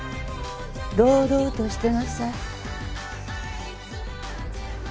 堂々としてなさい。